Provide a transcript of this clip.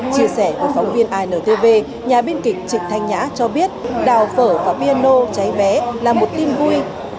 chia sẻ của phóng viên intv nhà biên kịch trịnh thanh nhã cho biết đào phở và piano cháy vé là một tin vui